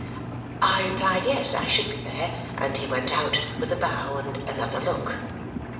I replied yes, I should be there; and he went out with a bow and another look.